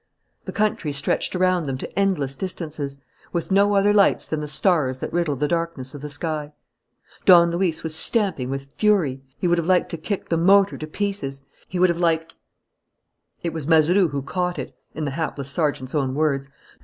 The country stretched around them to endless distances, with no other lights than the stars that riddled the darkness of the sky. Don Luis was stamping with fury. He would have liked to kick the motor to pieces. He would have liked It was Mazeroux who "caught it," in the hapless sergeant's own words.